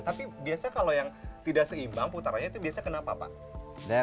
tapi biasanya kalau yang tidak seimbang putarannya itu biasanya kenapa pak